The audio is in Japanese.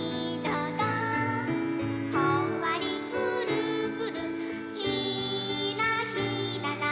「ほんわりくるくるひーらひらら」